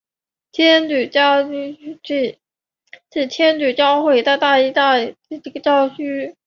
天主教阿奎教区是天主教会在义大利的一个教区。